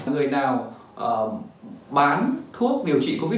người nào bán thuốc điều trị covid một mươi